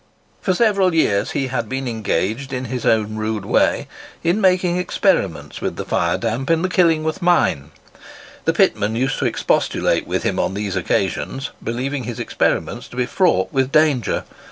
For several years he had been engaged, in his own rude way, in making experiments with the fire damp in the Killingworth mine. The pitmen used to expostulate with him on these occasions, believing his experiments to be fraught with danger.